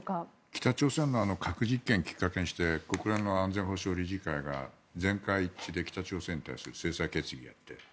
北朝鮮の核実験をきっかけにして国連の安全保障理事会が全会一致で北朝鮮に対する制裁決議をやって。